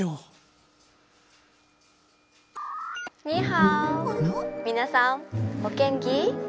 「みなさんお元気？」。